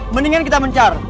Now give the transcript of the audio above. mendingan kita mencar